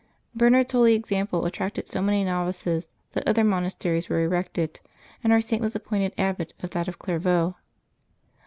Bernard's holy example attracted so many novices that other monas teries were erected, and our Saint was appointed abbot of that of Clairvaux.